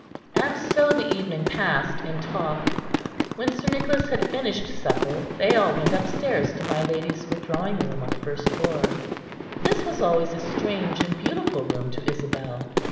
And so the evening passed in talk. When Sir Nicholas had finished supper, they all went upstairs to my lady's withdrawing room on the first floor. This was always a strange and beautiful room to Isabel.